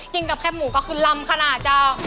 กินกับแค่หมูก็คือลำค่ะนะเจ้า